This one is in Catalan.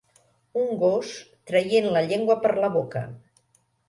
Un gos traient la llengua per la boca.